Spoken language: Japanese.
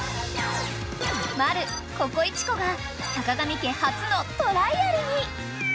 ［マルココイチ子が坂上家初のトライアルに］